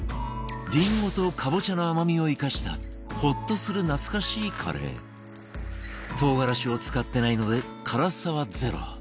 りんごとかぼちゃの甘みを生かしたほっとする懐かしいカレー唐辛子を使ってないので辛さはゼロ